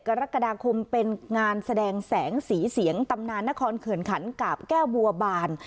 กรกฎาคมเป็นงานแสดงแสงสีเสียงตำนานนครเขินขันกาบแก้วบัวบาน